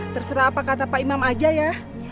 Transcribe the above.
terserah apa kata pak imam aja ya